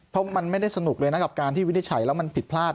เพราะมันไม่ได้สนุกเลยนะกับการที่วินิจฉัยแล้วมันผิดพลาด